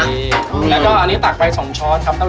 แล้วก็อันนี้ตักไป๒ชอสครับ